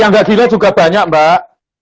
yang nggak gila juga banyak mbak